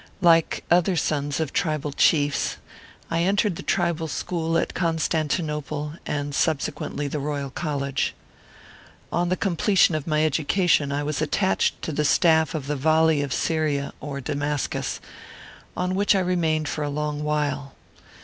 Like other sons of triba4 Chiefs, I entered the Tribal School at Constanti nople, and subsequently the Royal College. On the completion of my education, I was attached to the staff of the Vali of Syria (or Damascus), on which I remained for a long while.